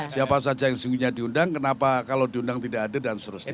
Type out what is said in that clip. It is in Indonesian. siapa saja yang segininya diundang kenapa kalau diundang tidak ada dan selalu diundang